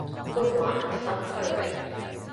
官話核心區域